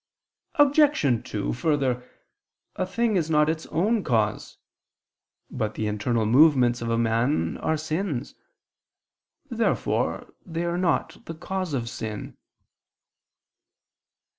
Obj. 2: Further, a thing is not its own cause. But the internal movements of a man are sins. Therefore they are not the cause of sin.